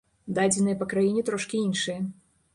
Дадзеныя па краіне трошкі іншыя.